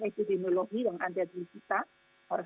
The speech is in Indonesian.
epidemiologi yang ada di kita harus